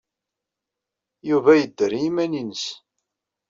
Yuba yedder i yiman-nnes.